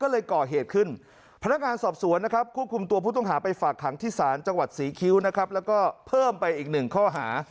แล้วก็เพิ่มไปอีกหนึ่งข้อหา